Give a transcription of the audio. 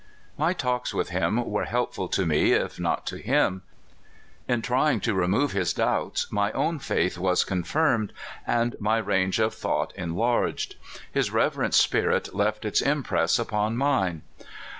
My talks with him were helpful to me if not to him. In trying to remove his doubts my own faith was confirmed, and my range of thought enlarged. His reverent spirit left its impress upon mine.